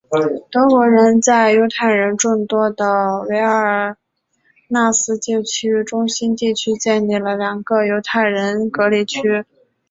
德国人在犹太人众多的维尔纽斯旧城中心地区建立了两个犹太人隔离区。